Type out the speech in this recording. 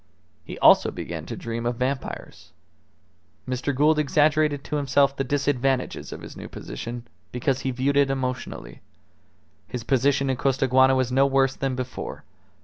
He also began to dream of vampires. Mr. Gould exaggerated to himself the disadvantages of his new position, because he viewed it emotionally. His position in Costaguana was no worse than before.